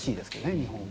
日本は。